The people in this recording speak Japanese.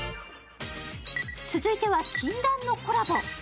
続いては禁断のコラボ。